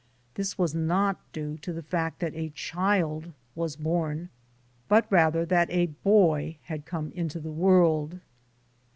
This was not due to the fact that a child was born, but rather that a boy had come into the world.